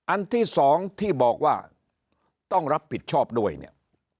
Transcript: อันที่สองที่บอกว่าต้องรับผิดชอบด้วยเนี่ย